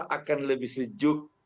akan lebih sejuk